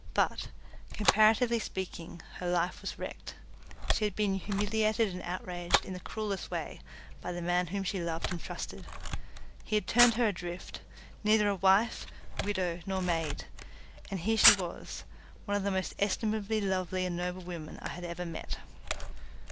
But, comparatively speaking, her life was wrecked. She had been humiliated and outraged in the cruellest way by the man whom she loved and trusted. He had turned her adrift, neither a wife, widow, nor maid, and here she was, one of the most estimably lovable and noble women I have ever met.